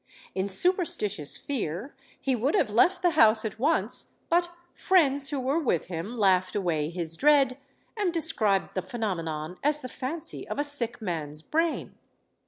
In superstitious fear, he would have left the house at once, but friends who were with him laughed away his dread and described the phenomenon as the fancy of a sick man's brain.